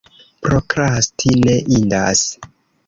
Prokrasti ne indas.